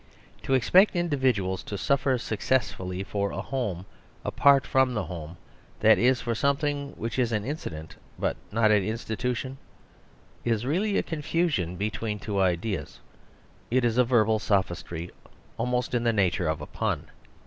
To ex pect individuals to suffer successfully for a home apart from the home, that is for some thing which is an incident but not an institu tion, is really a confusion between two ideas ; it is a verbal sophistry almost in the nature of a pun.